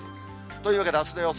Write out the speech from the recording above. というわけで、あすの予想